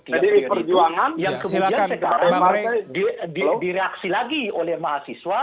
jadi perjuangan yang kemudian sekarang direaksi lagi oleh mahasiswa